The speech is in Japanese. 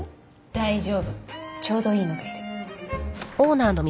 大丈夫ちょうどいいのがいる。